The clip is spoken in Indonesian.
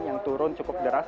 yang turun cukup deras